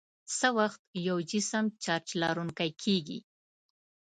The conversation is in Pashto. څه وخت یو جسم چارج لرونکی کیږي؟